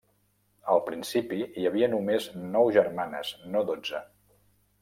Al principi, hi havia només nou germanes no dotze.